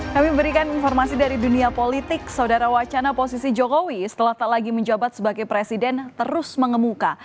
kami berikan informasi dari dunia politik saudara wacana posisi jokowi setelah tak lagi menjabat sebagai presiden terus mengemuka